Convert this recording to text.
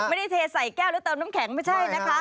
ไม่ได้แทใส่แก้วและเติมน้ำแข็งไม่ใช่นะฮะ